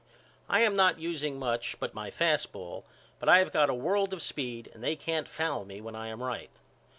I am not using much but my fast ball but I have got a world of speed and they can't foul me when I am right.